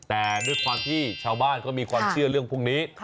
แต่ด้วยความที่ชาวบ้านเขามีความเชื่อเรื่องพวกนี้